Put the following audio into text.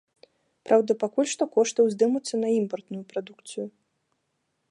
Праўда, пакуль што кошты ўздымуцца на імпартную прадукцыю.